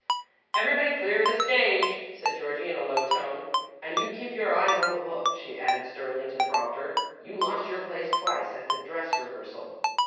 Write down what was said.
"Everybody clear the stage," said Georgie, in a low tone, "and you keep your eyes on the book," she added sternly to the prompter; "you lost your place twice at the dress rehearsal."